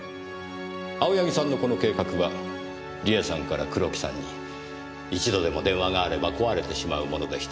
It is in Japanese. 青柳さんのこの計画は梨絵さんから黒木さんに一度でも電話があれば壊れてしまうものでした。